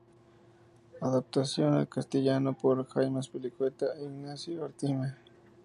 Adaptación al castellano por: Jaime Azpilicueta e Ignacio Artime.